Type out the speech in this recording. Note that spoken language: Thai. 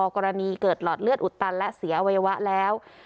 กรณีเกิดหลอดเลือดอุดตันและเสียอวัยวะแล้ว